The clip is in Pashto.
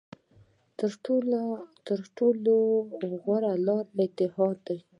تر ټولو غوره لاره اتحاد دی.